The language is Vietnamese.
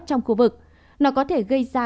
trong khu vực nó có thể gây ra